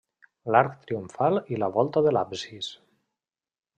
L'arc triomfal i la volta de l'absis.